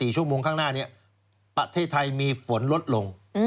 ๔ชั่วโมงข้างหน้านี้ประเทศไทยมีฝนลดลง